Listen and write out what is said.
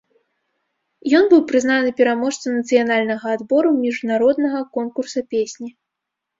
Ён быў прызнаны пераможцам нацыянальнага адбору міжнароднага конкурса песні.